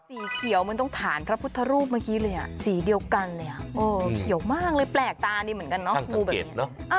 สีเขียวมันต้องฐานพระพุทธรูปเมื่อกี้เลยอ่ะสีเดียวกันเลยอ่ะเขียวมากเลยแปลกตาดีเหมือนกันเนาะงูแบบนี้เนอะ